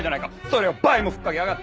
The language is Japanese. それを倍も吹っかけやがって！